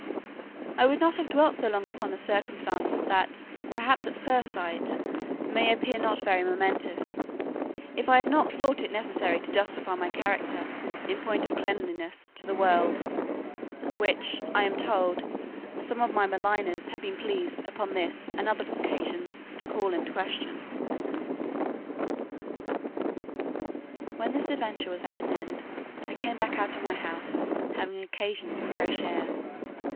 I would not have dwelt so long upon a circumstance that, perhaps, at first sight, may appear not very momentous, if I had not thought it necessary to justify my character, in point of cleanliness, to the world; which, I am told, some of my maligners have been pleased, upon this and other occasions, to call in question. When this adventure was at an end, I came back out of my house, having occasion for fresh air.